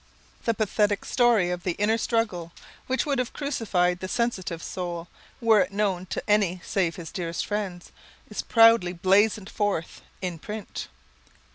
The pathetic story of the inner struggle, which would have crucified the sensitive soul were it known to any save his dearest friends, is proudly blazoned forth in print!